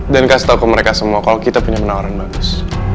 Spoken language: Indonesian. dan kasih tahu ke mereka semua kalau kita punya penawaran bagus